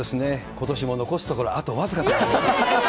ことしも残すところ、あと僅かとなりました。